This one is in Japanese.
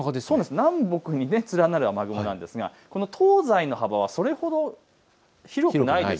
南北に連なる雨雲なんですが、東西の幅はそれほど広くないんです。